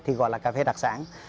thì gọi là cà phê đặc sản